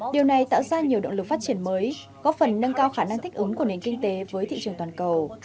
điều này tạo ra nhiều động lực phát triển mới góp phần nâng cao khả năng thích ứng của nền kinh tế với thị trường toàn cầu